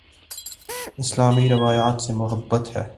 اسلامی روایات سے محبت ہے